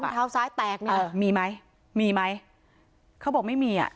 เท้าซ้ายแตกเนี่ยมีไหมมีไหมเขาบอกไม่มีอ่ะ